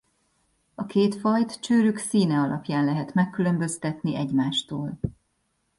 A két fajt csőrük színe alapján lehet megkülönböztetni egymástól.